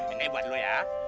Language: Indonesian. ini buat lo ya